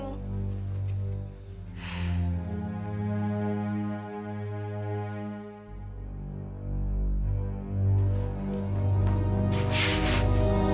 aku sangat mencintaimu